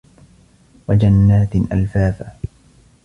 وَجَنّاتٍ أَلفافًا